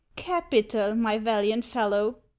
" Capital, my valiant fellow !